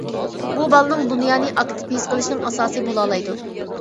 بۇ بالىنىڭ دۇنيانى ئاكتىپ ھېس قىلىشىنىڭ ئاساسىي بولالايدۇ.